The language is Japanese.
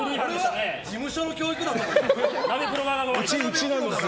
事務所の教育だよ。